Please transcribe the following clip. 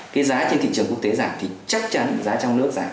cái giá trên thị trường quốc tế giảm thì chắc chắn giá trong nước giảm